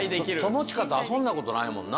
友近と遊んだことないもんな。